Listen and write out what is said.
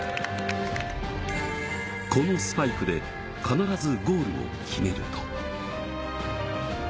このスパイクで、必ずゴールを決めると。